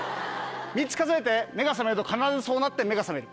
３つ数えて目が覚めると必ずそうなって目が覚める。